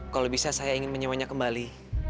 kalau bisa saya ingin menyewanya kembali